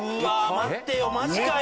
待ってよマジかよ・